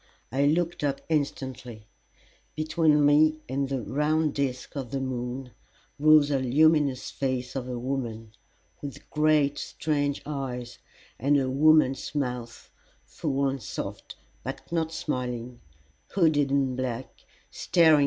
I looked up instantly. Between me and the round disk of the moon rose a luminous face of a woman, with great strange eyes, and a woman's mouth, full and soft, but not smiling, hooded in black, staring at me as I sat still upon my bench.